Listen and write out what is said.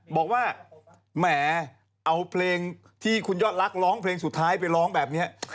บอกว่าแหมเอาเพลงที่คุณยอดรักร้องเพลงสุดท้ายไปร้องแบบนี้